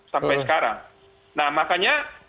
sampai sekarang nah makanya